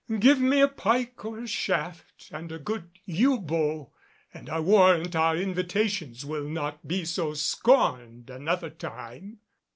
Give me a pike or a shaft and a good yew bow and I warrant our invitations will not be so scorned another time."